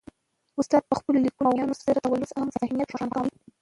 استاد په خپلو لیکنو او ویناوو سره د ولس عامه ذهنیت روښانه کوي.